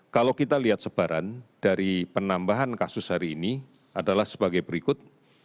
kalau kita lihat sebaran dari penambahan kasus hari ini adalah sebagai berikut